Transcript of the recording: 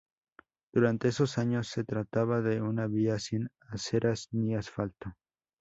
Durante esos años se trataba de una vía sin aceras ni asfalto.